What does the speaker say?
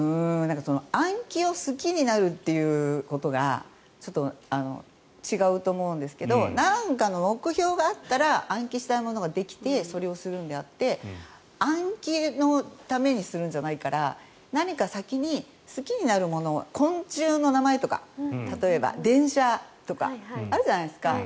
暗記を好きになるということがちょっと違うと思うんですけど何かの目標があったら暗記したいものができてそれをするのであって暗記のためにするんじゃないから何か先に好きになるもの例えば、昆虫の名前とか電車とかあるじゃないですか。